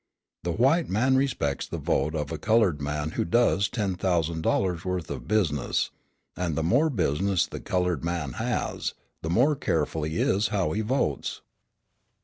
The white man respects the vote of a coloured man who does ten thousand dollars' worth of business; and, the more business the coloured man has, the more careful he is how he votes.